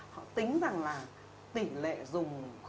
họ tính rằng là tỷ lệ dùng